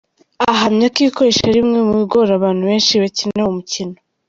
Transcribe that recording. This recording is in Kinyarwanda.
Ahamya ko ibikoresho ari bimwe mu mu bigora abantu benshi bakina uwo mukino.